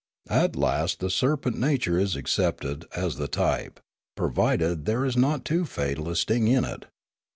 At last the serpent nature is accepted as the type, provided there is not too fatal a sting in it.